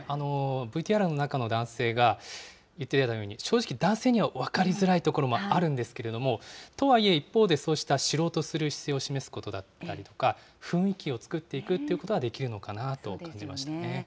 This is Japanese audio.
ＶＴＲの中の男性が言っていたように、正直、男性には分かりづらいところもあるんですけれども、とはいえ一方で、そうした知ろうとする姿勢を示すことだったりとか、雰囲気を作っていくということはできるのかなと感じましたね。